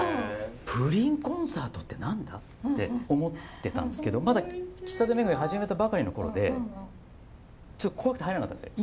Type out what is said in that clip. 「プリンコンサートって何だ？」って思ってたんですけどまだ喫茶店巡り始めたばかりの頃でちょっと怖くて入れなかったんですね。